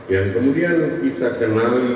yang kemudian kita kenali